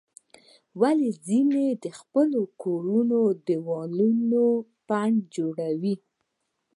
ولې ځینې د خپلو کورونو دیوالونه پنډ جوړوي؟